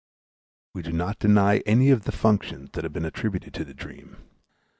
We do not deny any of the functions that have been attributed to the dream.